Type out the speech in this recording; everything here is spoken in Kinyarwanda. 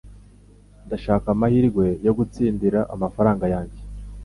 Ndashaka amahirwe yo gutsindira amafaranga yanjye